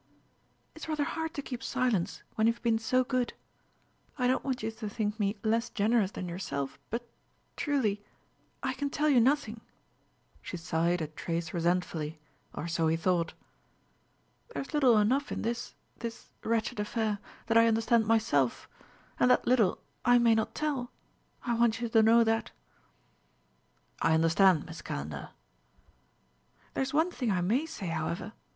"It's rather hard to keep silence, when you've been so good. I don't want you to think me less generous than yourself, but, truly, I can tell you nothing." She sighed a trace resentfully; or so he thought. "There is little enough in this this wretched affair, that I understand myself; and that little, I may not tell ... I want you to know that." "I understand, Miss Calendar." "There's one thing I may say, however.